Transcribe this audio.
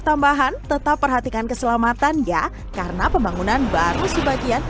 tetap perhatikan keselamatan ya karena pembangunan baru sebagian